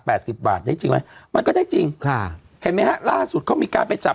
สิบบาทได้จริงไหมมันก็ได้จริงค่ะเห็นไหมฮะล่าสุดเขามีการไปจับ